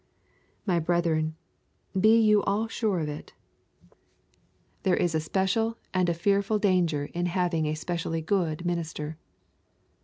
My brethren, be you all sure of it, there is a special and a fearful danger in having a specially good minister.